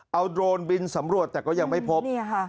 เอาโดรนบินสำรวจแต่ก็ยังไม่พบ